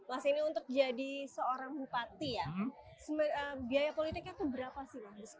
mas ini untuk jadi seorang bupati ya biaya politiknya keberapa sih